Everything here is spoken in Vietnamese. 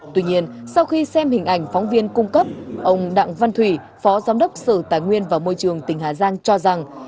tuy nhiên sau khi xem hình ảnh phóng viên cung cấp ông đặng văn thủy phó giám đốc sở tài nguyên và môi trường tỉnh hà giang cho rằng